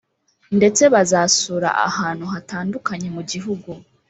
ndetse bazasura ahantu hatandukanye mu gihugu